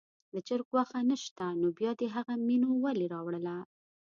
د چرګ غوښه نه شته نو بیا دې هغه مینو ولې راوړله.